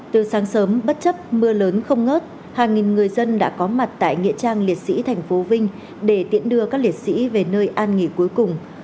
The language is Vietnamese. từ sáng sớm bất chấp mưa lớn không ngớt hàng nghìn người dân đã có mặt tại nghĩa trang liệt sĩ thành phố vinh để tiễn đưa các liệt sĩ về nơi an nghỉ cuối cùng